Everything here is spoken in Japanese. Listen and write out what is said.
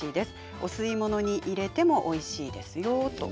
お吸い物に入れてもおいしいですよ。